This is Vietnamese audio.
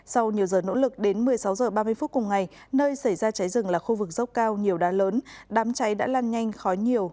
sau nhiều giờ nỗ lực đến một mươi sáu h ba mươi phút cùng ngày nơi xảy ra cháy rừng là khu vực dốc cao nhiều đá lớn đám cháy đã lan nhanh khói nhiều